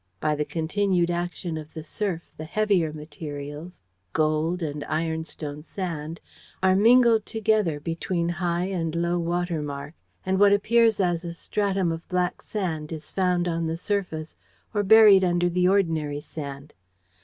By the continued action of the surf the heavier materials, gold, and ironstone sand, are mingled together between high and low water mark, and what appears as a stratum of black sand is found on the surface or buried under the ordinary sand.